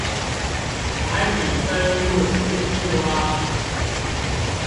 來比登入次數啊